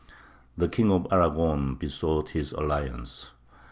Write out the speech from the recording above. The King of Aragon besought his alliance.